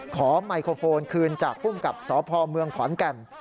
ขอไมคอโฟนคืนจากภูมิกับคพศภขอนแก่ม